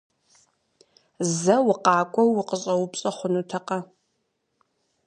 Зэ укъакӀуэу укъыщӀэупщӀэ хъунутэкъэ?